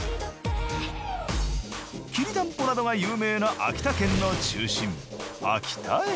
きりたんぽなどが有名な秋田県の中心秋田駅。